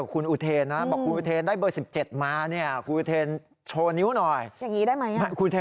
คือโชว์นิ้วยังไงดี